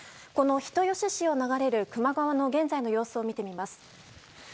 人吉市を流れる球磨川の現在の様子を見てみます。